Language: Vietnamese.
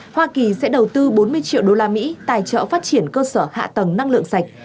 hoa kỳ sẽ đầu tư bốn mươi triệu đô la mỹ tài trợ phát triển cơ sở hạ tầng năng lượng sạch